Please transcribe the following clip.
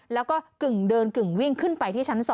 แล้วก็กึ่งเดินกึ่งวิ่งขึ้นไปที่ชั้น๒